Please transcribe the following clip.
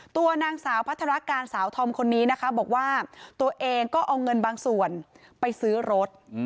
ตัวนางสาวพัฒนาการสาวธอมคนนี้นะคะบอกว่าตัวเองก็เอาเงินบางส่วนไปซื้อรถ